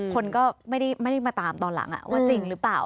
คนก็ไม่ได้มาตามตอนหลังว่าจริงหรือเปล่า